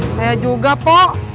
saya juga pak